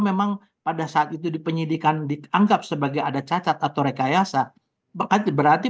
memang pada saat itu dipenyidikan dianggap sebagai ada cacat atau rekayasa bahkan diberarti